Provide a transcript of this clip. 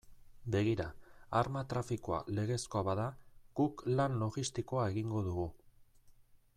Begira, arma trafikoa legezkoa bada, guk lan logistikoa egingo dugu.